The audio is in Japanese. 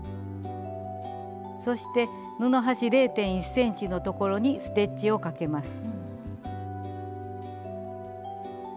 そして布端０．１ｃｍの所にステッチをかけます。